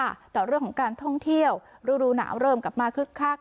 ในเวลาของการท่องเที่ยวรู้รู้หนาวเริ่มกลับมาคลึกคลาก